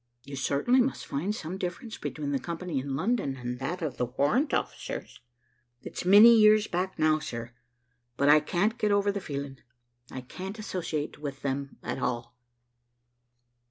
"You certainly must find some difference between the company in London and that of the warrant officers." "It's many years back now, sir; but I can't get over the feeling. I can't 'sociate with them at all."